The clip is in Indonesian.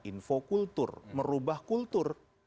infokultur merubah kultur